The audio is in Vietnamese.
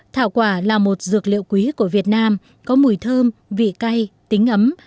thảo quả là một dược liệu quý của việt nam có mùi thơm vị cay tính ấm